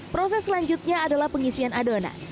proses selanjutnya adalah pengisian adonan